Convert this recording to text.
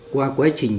qua quá trình